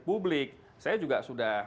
publik saya juga sudah